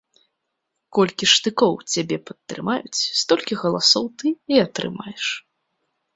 Колькі штыкоў цябе падтрымаюць, столькі галасоў ты і атрымаеш.